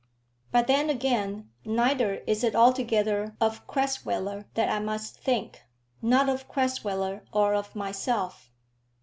But then, again, neither is it altogether of Crasweller that I must think, not of Crasweller or of myself.